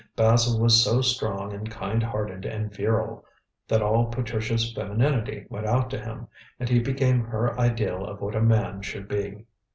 Basil was so strong and kind hearted and virile, that all Patricia's femininity went out to him, and he became her ideal of what a man should be.